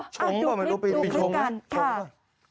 ชงป่ะไปชงกัน